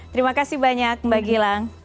terima kasih banyak mbak gilang